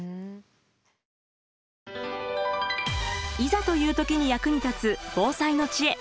いざという時に役に立つ「防災の知恵」。